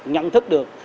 nhận thức được